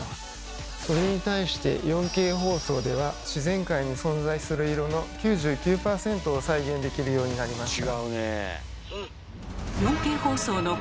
それに対して４Ｋ放送では自然界に存在する色の９９％を再現できるようになりました。